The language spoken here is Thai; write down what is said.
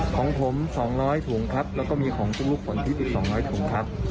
ของผมสองร้อยถุงครับแล้วก็มีของทุกลูกผลที่ติดสองร้อยถุงครับ